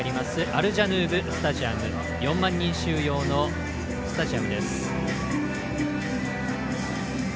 アルジャヌーブスタジアム４万人収容のスタジアムです。